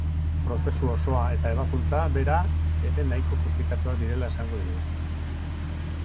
Prozesu osoa eta ebakuntza bera ere nahiko konplikatuak direla esan digu.